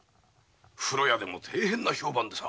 フロ屋でも大変な評判でさ。